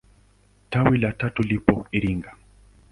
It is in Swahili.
Tawi la tatu lipo Iringa.